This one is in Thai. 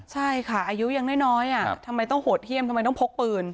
ใช่ค่ะอายุยังน้อยทำไมต้องโหดเยี่ยมทำไมต้องพกปืน